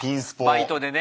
バイトでね。